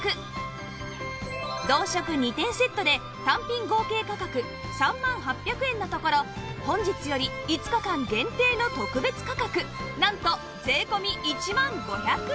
同色２点セットで単品合計価格３万８００円のところ本日より５日間限定の特別価格なんと税込１万５００円